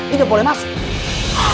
tidak boleh masuk